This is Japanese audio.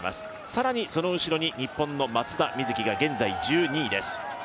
更にその後ろに日本の松田瑞生が現在１２位です。